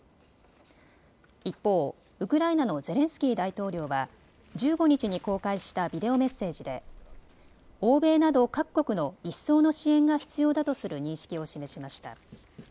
一方、ウクライナのゼレンスキー大統領は１５日に公開したビデオメッセージで欧米など各国の一層の支援が必要だとする認識を示しました。